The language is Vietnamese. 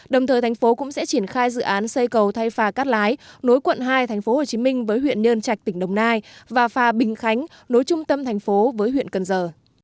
đồng thời thành phố cũng sẽ triển khai dự án xây cầu thay phà cát lái nối quận hai tp hcm với huyện nhơn trạch tỉnh đồng nai và phà bình khánh nối trung tâm thành phố với huyện cần giờ